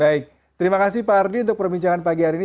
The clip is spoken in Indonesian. baik terima kasih pak ardi untuk perbincangan pagi hari ini